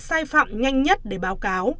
sai phạm nhanh nhất để báo cáo